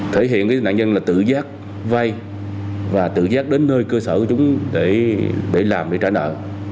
thể hiện nạn nhân là tự giác vay và tự giác đến nơi cơ sở của chúng để làm để trả nợ